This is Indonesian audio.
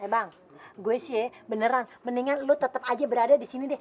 eh bang gue sih beneran mendingan lo tetep aja berada disini deh